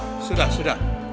oh sudah sudah